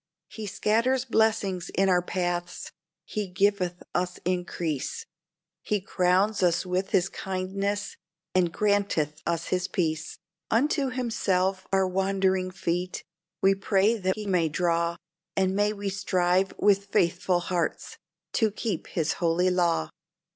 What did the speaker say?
"He scatters blessings in our paths, He giveth us increase, He crowns us with His kindnesses, and granteth us His peace. "Unto himself, our wandering feet, we pray that He may draw, And may we strive, with faithful hearts, to keep His holy law!"